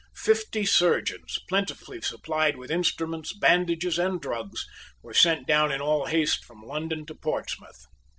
Fifty surgeons, plentifully supplied with instruments, bandages, and drugs, were sent down in all haste from London to Portsmouth.